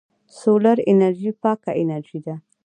سولر انرژي پاکه انرژي ده.